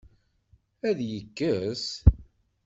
Ad yekkes?